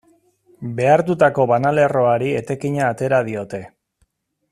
Behartutako banalerroari etekina atera diote.